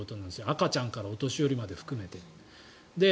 赤ちゃんからお年寄りまで含めて。